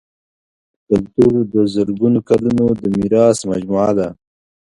کلتور د زرګونو کلونو د میراث مجموعه ده.